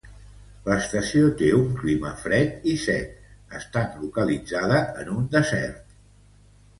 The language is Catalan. L'estació té un clima fred i sec, estant localitzada en un desert.